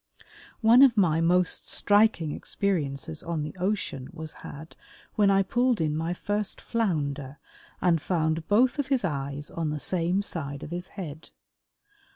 One of my most striking experiences on the ocean was had when I pulled in my first Flounder and found both of his eyes on the same side of his head.